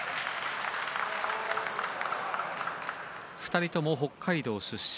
２人とも北海道出身。